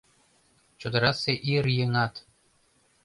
— Чодырасе ир еҥат